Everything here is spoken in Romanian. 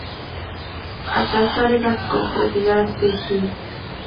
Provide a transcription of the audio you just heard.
Aceasta are ca scop protejarea speciei.